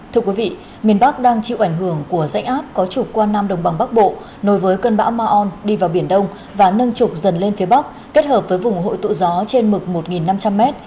thưa quý vị miền bắc đang chịu ảnh hưởng của rãnh áp có trục qua nam đồng bằng bắc bộ nối với cơn bão ma on đi vào biển đông và nâng trục dần lên phía bắc kết hợp với vùng hội tụ gió trên mực một năm trăm linh m